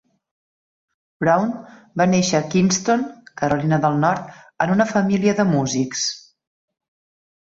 Brown va néixer a Kinston, Carolina del Nord, en una família de músics.